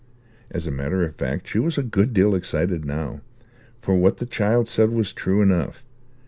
As a matter of fact she was a good deal excited now; for what the child said was true enough.